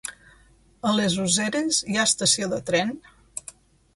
A les Useres hi ha estació de tren?